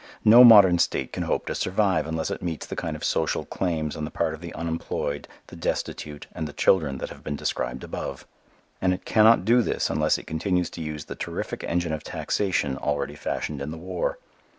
No modern state can hope to survive unless it meets the kind of social claims on the part of the unemployed, the destitute and the children that have been described above. And it cannot do this unless it continues to use the terrific engine of taxation already fashioned in the war.